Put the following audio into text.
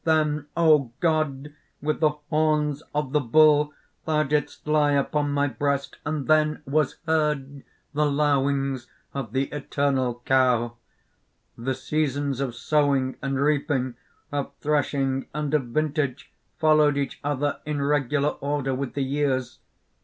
Then, O God, with the horns of the bull, thou didst lie upon my breast, and then was heard, the lowings of the Eternal Cow! "The seasons of sowing and reaping, of threshing and of vintage, followed each other in regular order with the years.